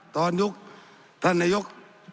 ตอนยุคท่านนายุค